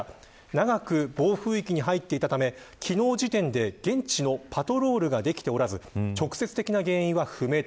長く暴風域に入っていたため昨日時点で、現地のパトロールができておらず直接的な原因は不明。